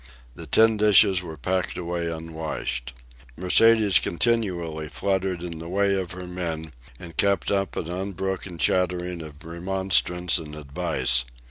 The tin dishes were packed away unwashed. Mercedes continually fluttered in the way of her men and kept up an unbroken chattering of remonstrance and advice.